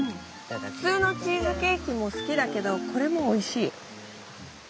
普通のチーズケーキも好きだけどこれもおいしい。